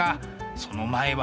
その前は。